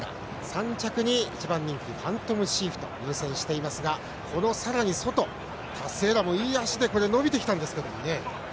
３着に１番人気ファントムシーフと入線していますがこの、さらに外タスティエーラも、いい脚で伸びてきたんですけどね。